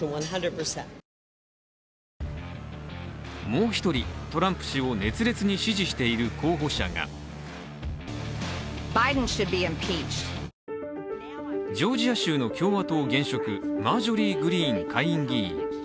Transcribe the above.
もう一人、トランプ氏を熱烈に支持している候補者がジョージア州の共和党現職マージョリー・グリーン下院議員。